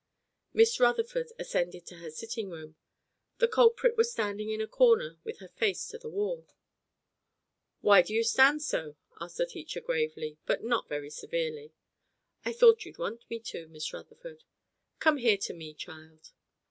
Miss Rutherford ascended to her sitting room. The culprit was standing in a corner with her face to the wall. "Why do you stand so?" asked the teacher gravely, but not very severely. "I thought you'd want me to, Miss Rutherford." "Come here to me, child."